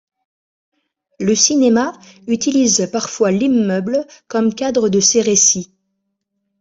Le cinéma utilise parfois l'immeuble comme cadre de ses récits.